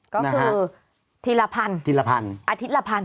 ก็คืออาทิตยาละพันอาทิตยาละพัน